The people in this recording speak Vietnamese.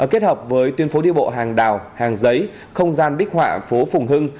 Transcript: kết hợp với tuyến phố đi bộ hàng đào hàng giấy không gian bích họa phố phùng hưng